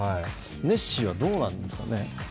ネッシーはどうなんですかね。